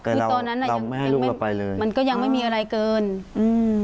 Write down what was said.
คือตอนนั้นเราไม่ให้ลูกเราไปเลยมันก็ยังไม่มีอะไรเกินอืม